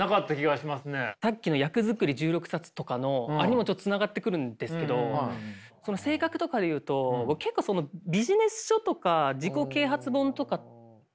さっきの役作り１６冊とかのあれにもちょっとつながってくるんですけど性格とかでいうと結構ビジネス書とか自己啓発本とかを読んで。